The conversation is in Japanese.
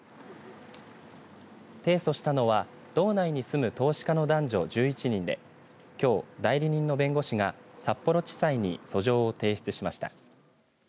提訴したのは道内に住む投資家の男女１１人で、きょう代理人の弁護士が札幌地裁に訴状を提出しました。